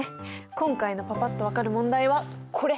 今回のパパっと分かる問題はこれ！